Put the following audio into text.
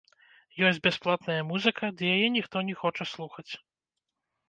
Ёсць бясплатная музыка, ды яе ніхто не хоча слухаць.